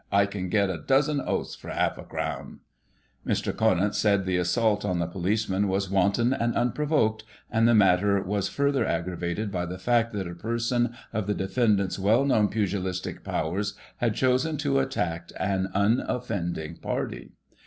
I can get a dozen oaths for half a crown. Mr. Conant said the assault on the policeman was wanton and unprovoked, and the matter was further aggravated by the fact that a person of the defendant's well known pugilistic powers had chosen to attack an unoffending party.